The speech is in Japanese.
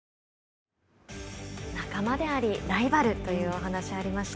仲間でありライバルというお話がありました。